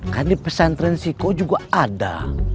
kan di pesantren si kok juga ada